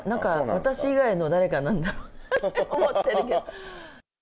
私以外の誰かなんだろうと思ってるけど。